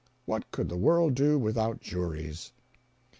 What could the world do without juries?